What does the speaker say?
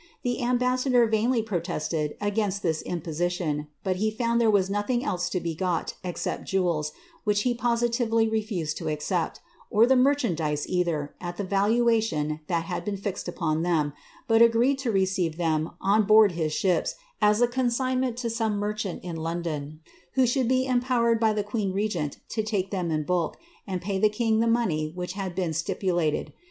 The ambassador vainly protested against this in position, but he found there was nothing else to be got, except jewcbi which he positively refused to accept, or the merchandise either, at the valuation that had been fixed upon them, but agreed to receive them od hoard his ships as a consignment to some merchant in London, who should be empowered by the queen regent to take them in bulk, and pay the king the money which had been stipulated.